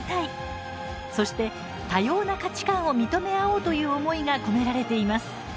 そして、多様な価値観を認め合おうという思いが込められています。